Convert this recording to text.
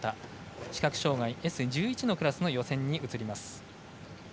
視覚障がいＳ１１のクラスの予選に移ります。